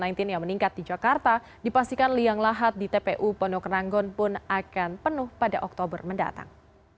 covid sembilan belas yang meningkat di jakarta dipastikan liang lahat di tpu pondok ranggon pun akan penuh pada oktober mendatang